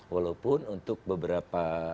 walaupun untuk beberapa